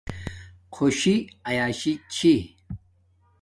خوشی آیاشی چھی